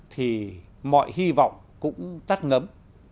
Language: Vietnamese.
thì mọi hy vọng cũng tắt ngấm